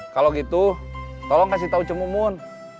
kalau gitu tolong kasih tahu cemumun